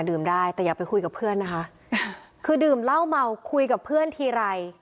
ได้แต่อย่าไปคุยกับเพื่อนนะคะคือดื่มเหล้าเมาคุยกับเพื่อนทีไร